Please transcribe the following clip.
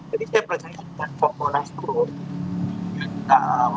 jadi saya percaya dengan komponasi itu